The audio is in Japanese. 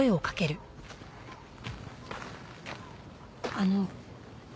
あの。